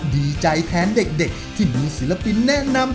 ดีใจแทนเด็กที่มีศิลปินแนะนำ